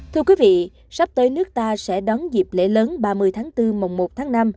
thưa quý vị sắp tới nước ta sẽ đón dịp lễ lớn ba mươi tháng bốn mùa một tháng năm